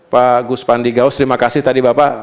pak gus pandi gaus terima kasih tadi bapak